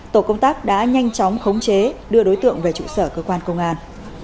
tổ công tác đã nhanh chóng khống chế đưa đối tượng về trụ sở cơ quan công an